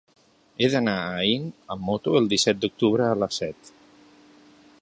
He d'anar a Aín amb moto el disset d'octubre a les set.